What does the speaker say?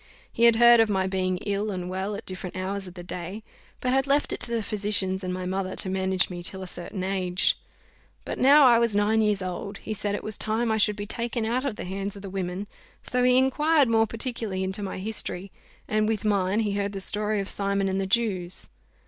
He had heard of my being ill and well, at different hours of the day; but had left it to the physicians and my mother to manage me till a certain age: but now I was nine years old, he said it was time I should be taken out of the hands of the women; so he inquired more particularly into my history, and, with mine, he heard the story of Simon and the Jews.